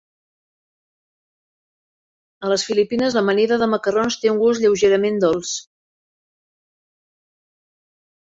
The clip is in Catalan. A les Filipines, l'amanida de macarrons té un gust lleugerament dolç.